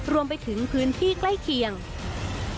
รวมไปถึงพื้นที่ใกล้เคียง